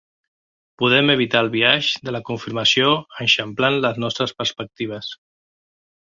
Podem evitar el biaix de la confirmació eixamplant les nostres perspectives.